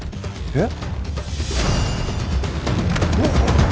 えっ？